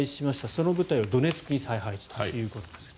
その部隊をドネツクに再配置ということです。